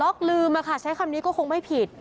ลืมใช้คำนี้ก็คงไม่ผิด